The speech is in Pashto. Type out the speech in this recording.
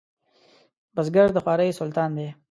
بزګر د خوارۍ سلطان دی